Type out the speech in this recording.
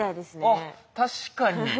あっ確かに。